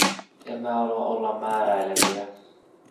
Emme halua olla määräileviä.